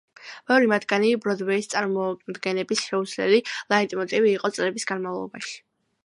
ბევრი მათგანი ბროდვეის წარმოდგენების შეუცვლელი ლაიტმოტივი იყო წლების განმავლობაში.